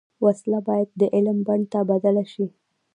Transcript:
وسله باید د علم بڼ ته بدله شي